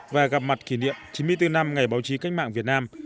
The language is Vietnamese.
và gặp mặt kỷ niệm chín mươi bốn năm ngày báo chí cách mạng việt nam